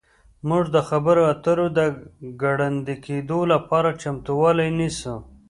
موږ د خبرو اترو د ګړندي کیدو لپاره چمتووالی نیسو